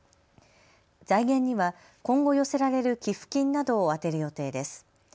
財源には今後、寄せられる寄付金などを充てる予定です。